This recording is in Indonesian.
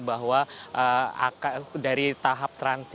bahwa dari tahap transaksi